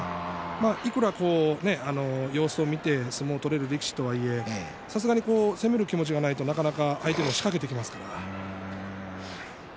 いくら様子を見て相撲を取れる力士とはいえさすがに攻める気持ちがないとなかなか相手も仕掛けてきますから。